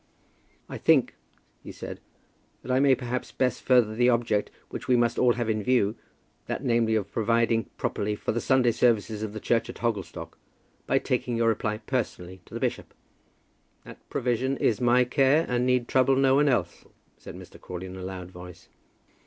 "I think," he said, "that I may, perhaps, best further the object which we must all have in view, that namely of providing properly for the Sunday services of the church of Hogglestock, by taking your reply personally to the bishop." "That provision is my care and need trouble no one else," said Mr. Crawley, in a loud voice.